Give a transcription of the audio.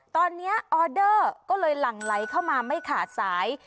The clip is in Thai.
ตอนนี้ออเดอร์ก็เลยหลั่งไหลเข้ามาไม่ขาดสาย